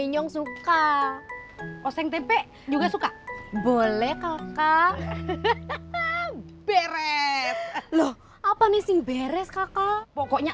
menyong suka oseng tempe juga suka boleh kakak beres loh apa nih sing beres kakak pokoknya